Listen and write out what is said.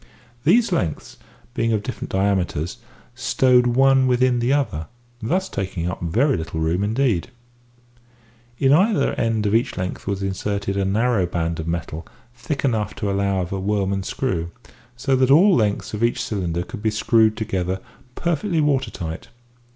These lengths, being of different diameters, stowed one within the other, thus taking up very little room indeed. In either end of each length was inserted a narrow band of metal thick enough to allow of a worm and screw, so that all the lengths of each cylinder could be screwed together perfectly water tight.